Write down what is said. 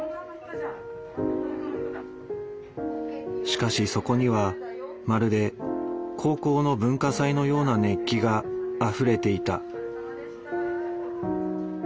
しかしそこにはまるで高校の文化祭のような熱気があふれていた。